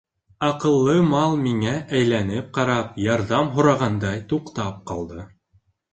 Аҡыллы мал миңә әйләнеп ҡарап, ярҙам һорағандай туҡтап ҡалды.